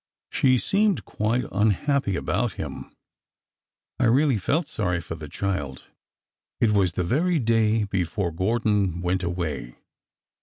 She seemed quite unhappy about him. I really felt sorry for the child. It was the very day before Gordon went away."